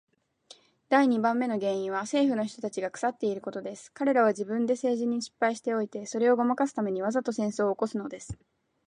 第二番目の原因は政府の人たちが腐っていることです。彼等は自分で政治に失敗しておいて、それをごまかすために、わざと戦争を起すのです。